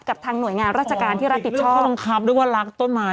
กับทางหน่วยงานราชการที่รักติดชอบอ๋อติดเรื่องข้อบังคับหรือว่ารักต้นไม้